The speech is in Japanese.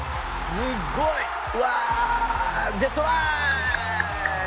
すごい！うわ！でトライ！